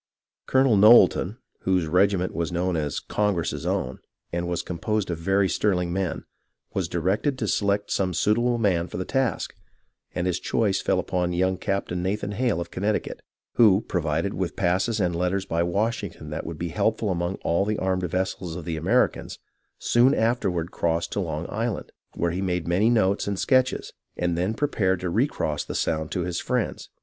Colonel Knowlton, whose regiment was known as " Congress's Own," and was composed of very sterling EVENTS IN AND NEAR NEW YORK 121 men, was directed to select some suitable man for the task, and his choice fell upon young Captain Nathan Hale of Connecticut, who, provided with passes and letters by Washington that would be helpful among all the armed vessels of the Americans, soon afterward crossed to Long Island, where he made many notes and sketches, and then prepared to recross the Sound to his friends.